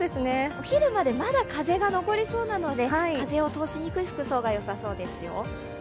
お昼間で風が残りそうなので、風を通しにくい服装がよさそうですよ。